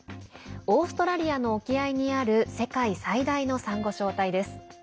オーストラリアの沖合にある世界最大のさんご礁帯です。